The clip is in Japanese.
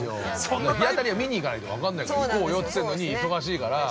だから、日当たりは見に行かないと分かんないから行こうよって言ってんのに忙しいから。